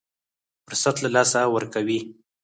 فرصت له لاسه ورکوي.